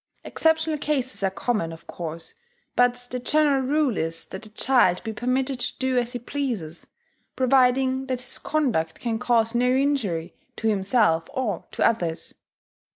Exceptional cases are common, of course; but the general rule is that the child be permitted to do as he pleases, providing that his conduct can cause no injury to himself or to others.